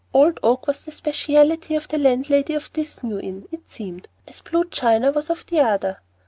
Old oak was the specialty of the landlady of this New Inn, it seemed, as blue china was of the other.